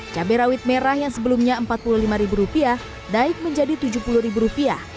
cabai rawit merah yang sebelumnya rp empat puluh lima naik menjadi rp tujuh puluh